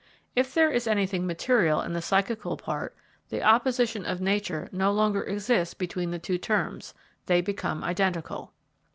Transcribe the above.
If there is anything material in the psychical part, the opposition of nature no longer exists between the two terms; they become identical.